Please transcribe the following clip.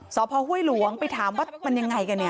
พ่อห้วยหลวงไปถามว่ามันยังไงกันเนี่ย